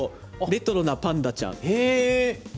レトロなパンダちゃん。